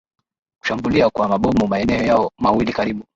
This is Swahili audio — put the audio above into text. kushambulia kwa mabomu maeneo yao mawili karibu